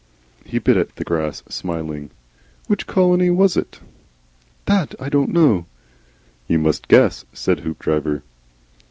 He bit at the grass, smiling. "Which colony was it?" "That I don't know." "You must guess," said Hoopdriver.